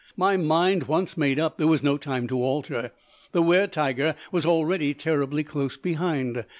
My mind once made up, there was no time to alter. The wer tiger was already terribly close behind.